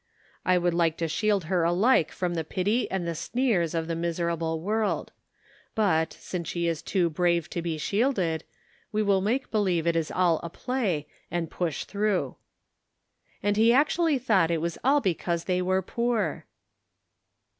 I would like to shield her alike from the pity and the sneers of the miserable world; but, The Social Problem. Ill since she is too brave to be shielded, we will make believe it is all a play, and push through." And he actually thought it was all because they were poor